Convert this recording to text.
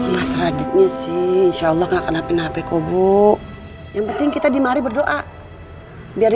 mas radit nya sih insyaallah akan hp nya hp kubu yang penting kita di mari berdoa biar